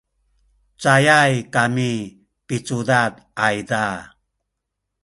cayay kami picudad ayza